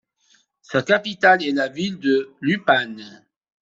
Sa capitale est la ville de Lupane.